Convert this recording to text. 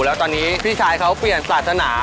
แล้วตอนนี้พี่ชายเขาเปลี่ยนศาสนา